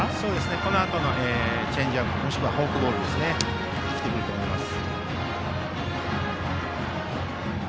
このあとのチェンジアップあるいはフォークボールに生きてくると思います。